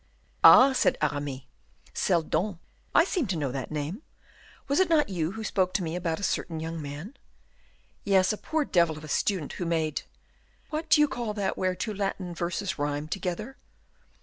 "Ah!" said Aramis. "Seldon; I seem to know that name. Was it not you who spoke to me about a certain young man?" "Yes, a poor devil of a student, who made What do you call that where two Latin verses rhyme together?"